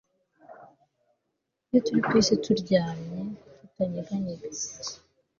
Iyo turi kwisi turyamye tutanyeganyega